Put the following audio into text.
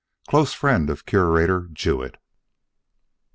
Close friend of Curator Jewett.